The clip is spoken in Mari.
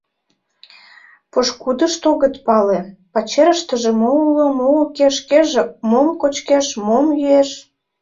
Пошкудышт огыт пале — пачерыштыже мо уло, мо уке, шкеже мом кочкеш, мом йӱэш.